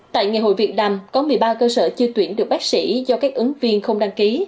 tại ngày hội việt nam có một mươi ba cơ sở chưa tuyển được bác sĩ do các ứng viên không đăng ký